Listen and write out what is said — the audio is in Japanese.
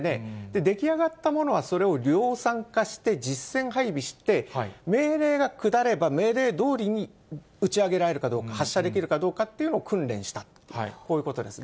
出来上がったものは、それを量産化して、実戦配備して、命令が下れば、命令どおりに打ち上げられるかどうか、発射できるかどうかというのを訓練した、こういうことですね。